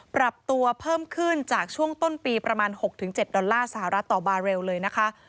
ปรับตัวเพิ่มขึ้นจากช่วงต้นปีประมาณ๖๗ดอลลาร์สหรัฐต่อบาเรลเลยนะคะ